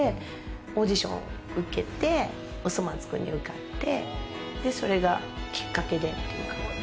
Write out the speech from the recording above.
オーディションを受けて『おそ松くん』に受かって、それが、きっかけで。